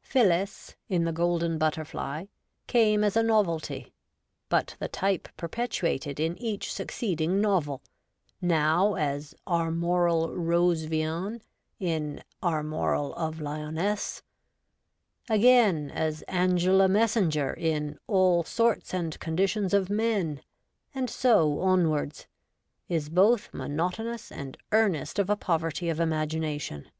Phillis, in The Golden Butterfly, came as a novelty, but the type perpetuated in each succeed ing novel — now as Armorel Rosevean in Armorel of Lyonesse ; again, as Angela Messenger in AH Sorts and Conditions of Men, and so onwards ^is both monotonous and earnest of a poverty of imagination.